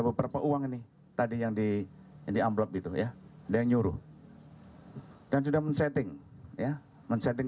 beberapa uang ini tadi yang di ini amplop itu ya dia nyuruh dan sudah men setting ya men setting